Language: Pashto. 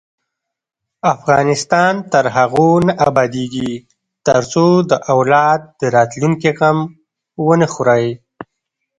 افغانستان تر هغو نه ابادیږي، ترڅو د اولاد د راتلونکي غم ونه خورئ.